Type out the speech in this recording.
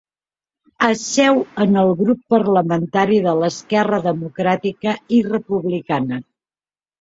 Asseu en el grup parlamentari de l'Esquerra Democràtica i Republicana.